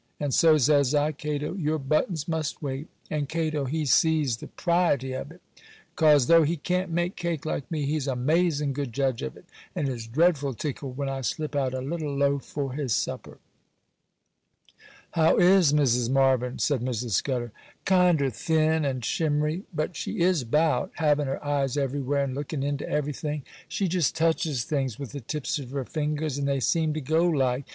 And so, says I, Cato, your buttons must wait." And Cato, he sees the 'priety of it, 'cause though he can't make cake like me, he's a mazin' good judge of it, and is dre'ful tickled when I slip out a little loaf for his supper.' 'How is Mrs. Marvyn?' said Mrs. Scudder. 'Kinder thin and shimmery, but she is about, havin' her eyes everywhere and looking into everything. She just touches things with the tips of her fingers and they seem to go like.